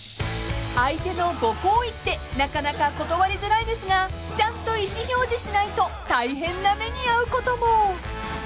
［相手のご厚意ってなかなか断りづらいですがちゃんと意思表示しないと大変な目に遭うことも］